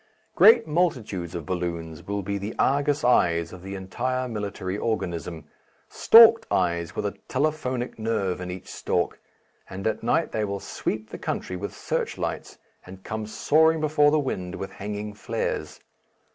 Great multitudes of balloons will be the Argus eyes of the entire military organism, stalked eyes with a telephonic nerve in each stalk, and at night they will sweep the country with search lights and come soaring before the wind with hanging flares.